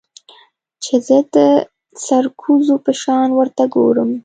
چې زه د سرکوزو په شان ورته گورم.